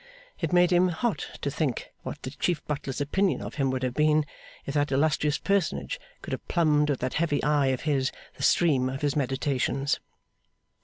It made him hot to think what the Chief Butler's opinion of him would have been, if that illustrious personage could have plumbed with that heavy eye of his the stream of his meditations.